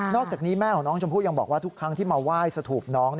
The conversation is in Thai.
อกจากนี้แม่ของน้องชมพู่ยังบอกว่าทุกครั้งที่มาไหว้สถูปน้อง